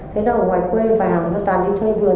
thế đâu ngoài quê vào nó toàn đi thuê vườn